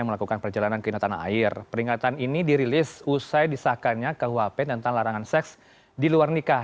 melakukan perjalanan ke tanah air peringatan ini dirilis usai disahkannya kuhp tentang larangan seks di luar nikah